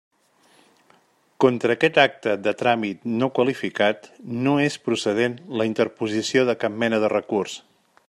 Contra aquest acte de tràmit no qualificat no és procedent la interposició de cap mena de recurs.